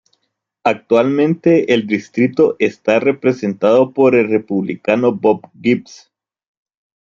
Actualmente el distrito está representado por el Republicano Bob Gibbs.